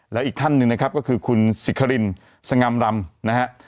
แล้วอีกท่านหนึ่งนะครับก็คือคุณสิครินสง่ำรำนะฮะ